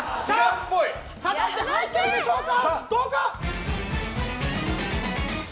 果たして入っているでしょうか。